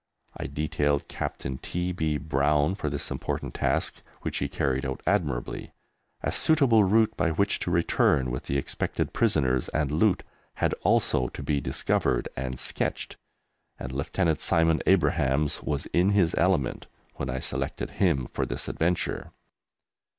I detailed Captain T. B. Brown for this important task, which he carried out admirably. A suitable route by which to return with the expected prisoners and loot had also to be discovered and sketched, and Lieutenant Simon Abrahams was in his element when I selected him for this adventure.